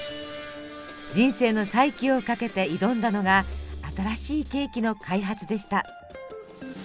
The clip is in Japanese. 人生の再起をかけて挑んだのが新しいケーキの開発でした。